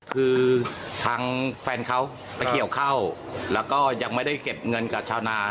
คือทางแฟนเขาไปเกี่ยวเข้าแล้วก็ยังไม่ได้เก็บเงินกับชาวนา